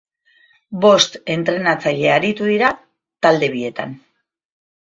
Bost entrenatzaile aritu dira talde bietan.